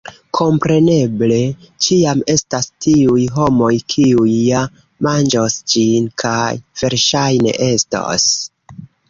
Kompreneble, ĉiam estas tiuj homoj kiuj ja manĝos ĝin kaj versaĵne estos